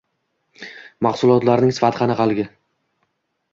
mahsulotlarining sifati qanaqaligi.